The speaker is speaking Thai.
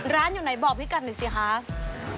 ร้านอยู่ไหนบอกพี่กันหน่อยสิครับ